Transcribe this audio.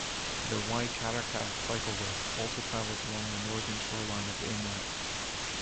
The Waikaraka Cycleway also travels along the northern shoreline of the inlet.